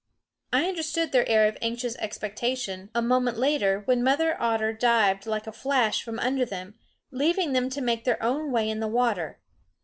I understood their air of anxious expectation a moment later, when Mother Otter dived like a flash from under them, leaving them to make their own way in the water.